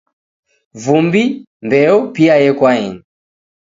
Vumbi, Mbeo pia yekwaeni